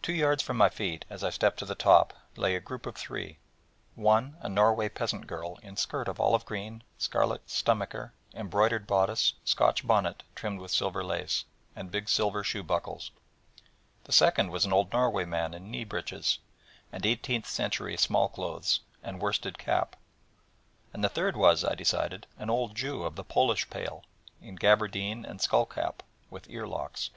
Two yards from my feet, as I stepped to the top, lay a group of three: one a Norway peasant girl in skirt of olive green, scarlet stomacher, embroidered bodice, Scotch bonnet trimmed with silver lace, and big silver shoe buckles; the second was an old Norway man in knee breeches, and eighteenth century small clothes, and red worsted cap; and the third was, I decided, an old Jew of the Polish Pale, in gaberdine and skull cap, with ear locks.